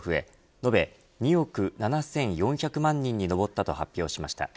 延べ２億７４００万人に上ったと発表しました。